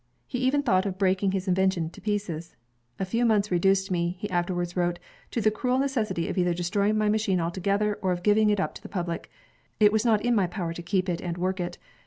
He even thought of breaking his invention to pieces. A few months reduced me/' he afterwards wrote, ''to the cruel necessity either of destroying my machine altogether or of giving it up to the public. It was not in my power to keep it and work it.